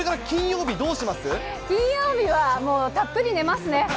金曜日はもう、たっぷり寝ますね。